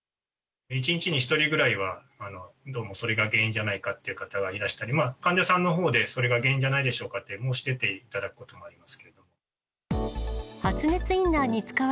１日に１人ぐらいはどうもそれが原因じゃないかっていう方がいらしたり、患者さんのほうでそれが原因じゃないでしょうかと、申し出ていただくこともあります。